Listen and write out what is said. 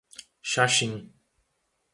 Xaxim